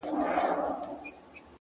وخت د غفلت حساب اخلي